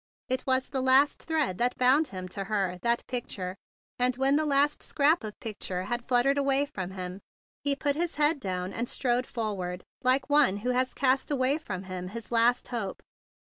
It 40 THE BIG BLUE SOLDIER was the last thread that bound him to her, that picture; and, when the last scrap of picture had fluttered away from him, he put his head down and strode forward like one who has cast away from him his last hope.